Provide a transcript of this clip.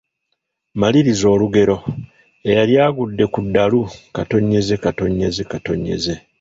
Maliriza olugero: Eyali agudde ku ddalu, ….